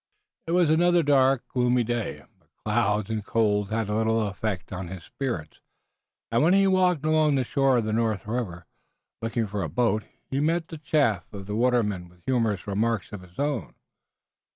It was another dark, gloomy day, but clouds and cold had little effect on his spirits, and when he walked along the shore of the North River, looking for a boat, he met the chaff of the watermen with humorous remarks of his own.